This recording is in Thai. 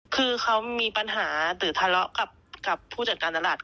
คือเขามีปัญหาหรือทะเลาะกับผู้จัดการตลาด